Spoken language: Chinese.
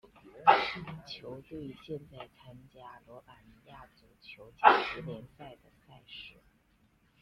球队现在参加罗马尼亚足球甲级联赛的赛事。